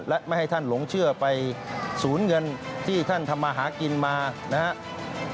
และไม่ให้ท่านหลงเชื่อไปสูญเงินที่ท่านทำมาหากินมานะครับ